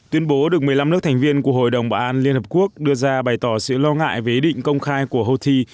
tuyên bố được một mươi năm nước thành viên của hội đồng bảo an liên hợp quốc đưa ra bày tỏ sự lo ngại về ý định công khai của houthi